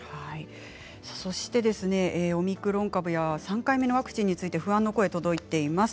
オミクロン株や３回目のワクチンについて不安の声が届きました。